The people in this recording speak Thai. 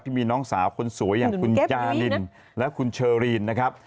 มีน้องสาวคนสวยอย่างคุณจานินและคุณเชอรีนนะครับ